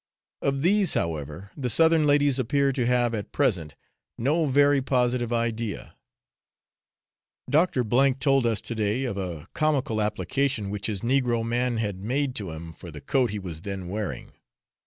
Of these, however, the southern ladies appear to have, at present, no very positive idea. Doctor told us to day of a comical application which his negro man had made to him for the coat he was then wearing.